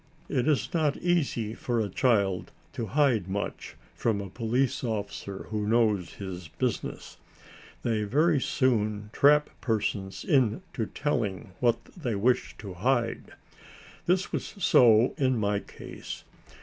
It is not easy for a child to hide much from a police officer who knows his business. They very soon trap persons into telling what they wish to hide. This was so in my case.